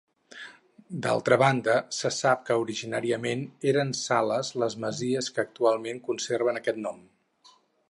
D'altra banda, se sap que originàriament eren sales les masies que actualment conserven aquest nom.